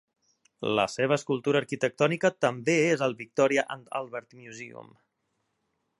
La seva escultura arquitectònica també és al Victoria and Albert Museum.